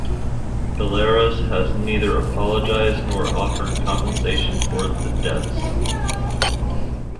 Belarus has neither apologized nor offered compensation for the deaths.